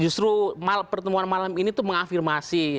justru pertemuan malam ini tuh mengafirmasi